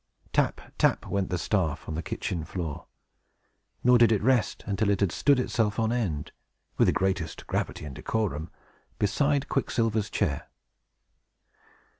Tap, tap, went the staff, on the kitchen floor; nor did it rest until it had stood itself on end, with the greatest gravity and decorum, beside Quicksilver's chair.